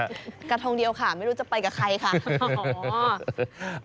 กระทงเดียวค่ะไม่รู้จะไปกับใครค่ะ